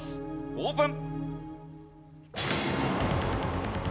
オープン。